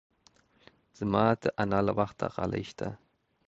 زما د انا له وخته غالۍ شته.